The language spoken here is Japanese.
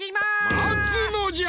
まつのじゃ！